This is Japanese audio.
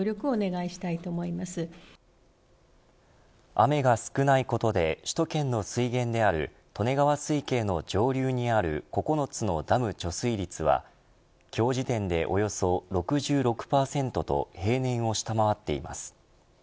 雨が少ないことで首都圏の水源である利根川水系の上流にある９つのダムの貯水率は今日時点でおよそ６６％と平年を下回っています。